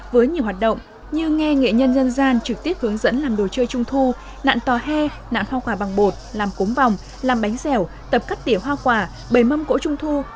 với nhiều hoạt động như nghe nghệ nhân dân gian trực tiếp hướng dẫn làm đồ chơi trung thu nạn tòa he nạn hoa quả bằng bột làm cống vòng làm bánh xèo tập cắt tỉa hoa quả bầy mâm cỗ trung thu